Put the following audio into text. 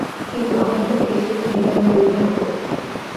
কিন্তু আমার পক্ষে সে কি নিদারুণ দুর্ভাগ্য।